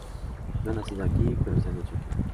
No han nacido aquí, pero se han hecho aquí.